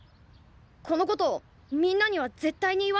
このことみんなには絶対に言わないから。